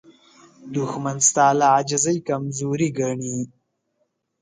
دښمن ستا له عاجزۍ کمزوري ګڼي